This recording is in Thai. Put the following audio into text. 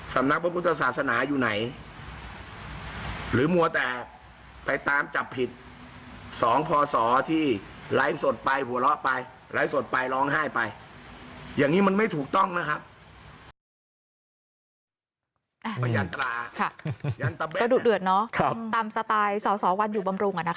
สาววันอยู่บำรุงนะครับ